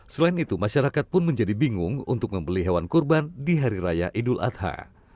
selain itu masyarakat pun menjadi bingung untuk membeli hewan kurban di hari raya idul adha